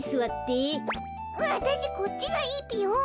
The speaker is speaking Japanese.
わたしこっちがいいぴよん。